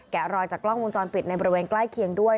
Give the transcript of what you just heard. รอยจากกล้องวงจรปิดในบริเวณใกล้เคียงด้วย